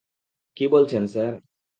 কী বলছেন, স্যার!